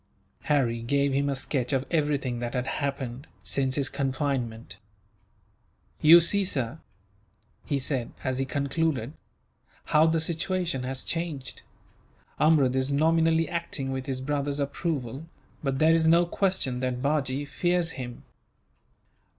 Harry gave him a sketch of everything that had happened, since his confinement. "You see, sir," he said, as he concluded, "how the situation has changed. Amrud is nominally acting with his brother's approval, but there is no question that Bajee fears him.